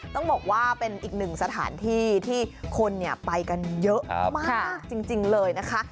ต้องบอกว่าเป็นอีกหนึ่งสถานที่ที่คนไปกันเยอะมากจริงเลยนะคะ